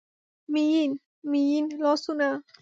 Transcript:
میین، میین لاسونه